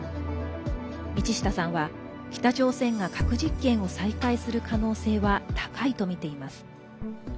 道下さんは北朝鮮が核実験を再開する可能性は高いとみています。